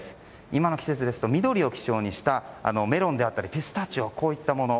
今の季節ですと緑を基調としたメロンであったりピスタチオといったもの。